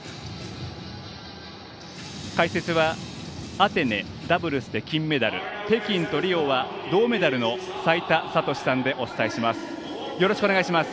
解説はアテネダブルスで金メダル北京とリオは銅メダル齋田悟司さんでお伝えします。